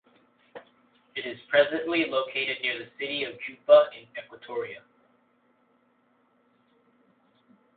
It is presently located near the city of Juba in Equatoria.